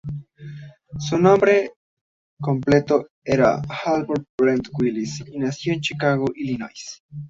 Su nombre completo era Harold Brent Wallis, y nació en Chicago, Illinois.